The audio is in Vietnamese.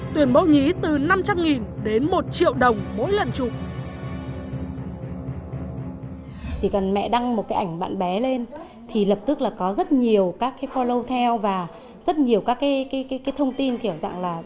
tuyển mẫu nhí từ năm triệu đồng